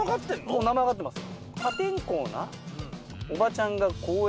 もう名前わかってます。